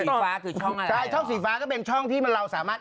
สีฟ้าคือช่องมาใช่ช่องสีฟ้าก็เป็นช่องที่มันเราสามารถ